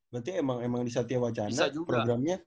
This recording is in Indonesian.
berarti emang emang di satewacana programnya